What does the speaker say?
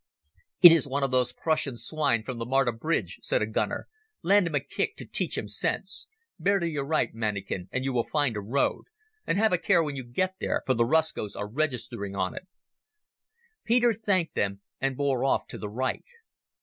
"It is one of those Prussian swine from the Marta bridge," said a gunner. "Land him a kick to teach him sense. Bear to your right, mannikin, and you will find a road. And have a care when you get there, for the Russkoes are registering on it." Peter thanked them and bore off to the right.